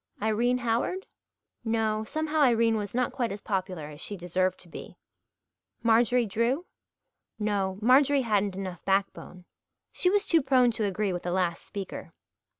Irene Howard? No, somehow Irene was not quite as popular as she deserved to be. Marjorie Drew? No, Marjorie hadn't enough backbone. She was too prone to agree with the last speaker.